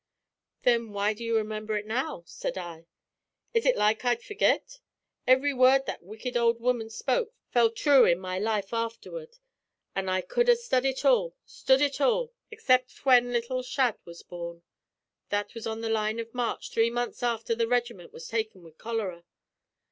"Then why do you remember it now?" said I. "Is ut like I'd forgit? Ivry word that wicked ould woman spoke fell thrue in my life afterward; an' I cud ha' stud ut all stud ut all, except fwhen little Shadd was born. That was on the line av march three months afther the regiment was taken wid cholera.